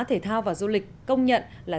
thể thao và du lịch công nhận là